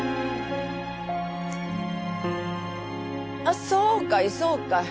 あっそうかいそうかい。